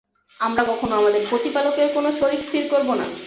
আমরা কখনো আমাদের প্রতিপালকের কোন শরিক স্থির করব না।